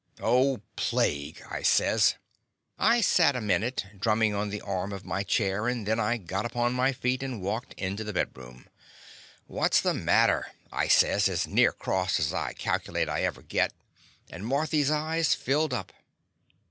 "Oh, plague!" I says. I sat a minute, drummin' on the arai of my chair, and then I got upon my feet, and walked into the bedroom. "What 's the matter?" I says, as near cross as I calculate I ever git, and Marthy's eyes filled up.